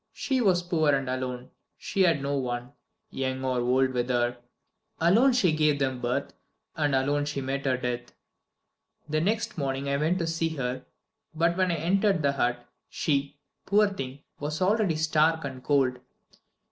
She was poor and alone; she had no one, young or old, with her. Alone she gave them birth, and alone she met her death." "The next morning I went to see her, but when I entered the hut, she, poor thing, was already stark and cold.